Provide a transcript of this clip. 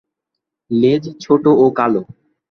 লেজ ছোট ও কালো।